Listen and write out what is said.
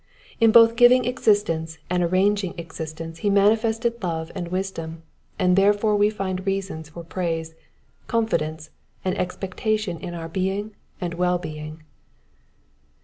In both giving existence and arranging existence he manifested love and wisdom ; and therefore we find reasons for praise, confidence, and expectation in our being and well being.